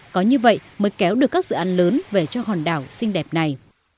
có như vậy mới kéo được các dự án lớn về cho hòn đảo xinh đẹp này